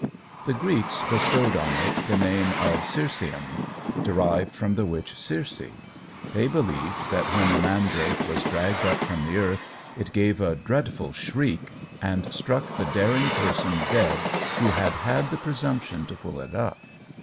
The Greeks bestowed on it the name of "Circeium" derived from the witch Circe. They believed that when the mandrake was dragged up from the earth, it gave a dreadful shriek, and struck the daring person dead who had had the presumption to pull it up.